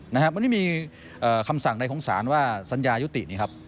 มันไม่มีคำสั่งใดของสารว่าสัญญายุติ